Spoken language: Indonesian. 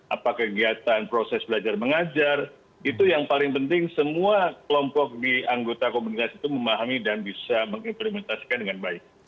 apa kegiatan proses belajar mengajar itu yang paling penting semua kelompok di anggota komunitas itu memahami dan bisa mengimplementasikan dengan baik